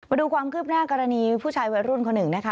มาดูความคืบหน้ากรณีผู้ชายวัยรุ่นคนหนึ่งนะคะ